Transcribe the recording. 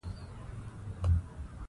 دیني او عرفاني مفاهیم ګډ شوي دي.